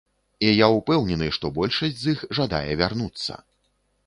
І я ўпэўнены, што большасць з іх жадае вярнуцца.